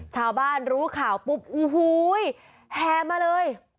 ชาวบ้านรู้ข่าวปุ๊บโอ้โหแห่มาเลย